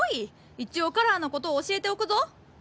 一応カラーのことを教えておくぞ。